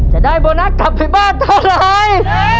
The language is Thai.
จะได้โบนัสกลับไปบ้านเท่าไร